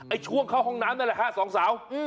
ช่วงเข้าห้องน้ำนั่นแหละฮะสองสาว